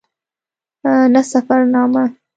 نه سفرنامه.